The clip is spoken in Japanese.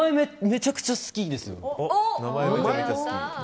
めちゃくちゃ好きです。